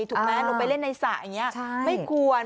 ถูกไหมลงไปเล่นในสระอย่างนี้ไม่ควร